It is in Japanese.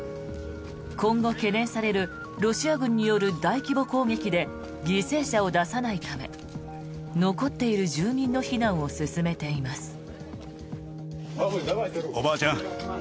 今後懸念されるロシア軍による大規模攻撃で犠牲者を出さないため残っている住民の避難を進めています。